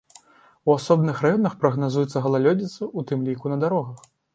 У асобных раёнах прагназуецца галалёдзіца, у тым ліку на дарогах.